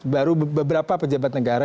baru beberapa pejabat negara